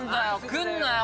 くんなよ。